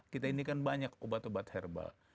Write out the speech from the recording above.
kita ini kan banyak obat obat herbal